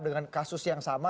dengan kasus yang sama